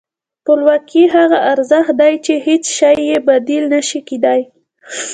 خپلواکي هغه ارزښت دی چې هېڅ شی یې بدیل نه شي کېدای.